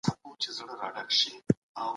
کلتور او سياست خپلمنځي تړاو لري.